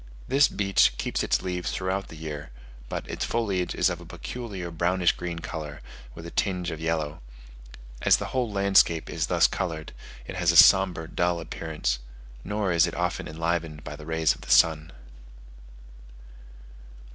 This beech keeps its leaves throughout the year; but its foliage is of a peculiar brownish green colour, with a tinge of yellow. As the whole landscape is thus coloured, it has a sombre, dull appearance; nor is it often enlivened by the rays of the sun.